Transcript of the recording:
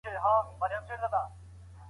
کورټیسول د دوامداره لوړتیا له امله وزن زیاتوي.